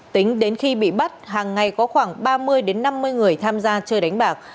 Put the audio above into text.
tính đến khi bị bắt hàng ngày có khoảng ba mươi năm mươi người tham gia chơi đánh bạc